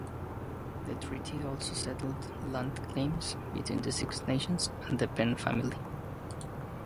The treaty also settled land claims between the Six Nations and the Penn family.